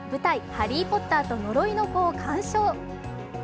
「ハリー・ポッターと呪いの子」を鑑賞。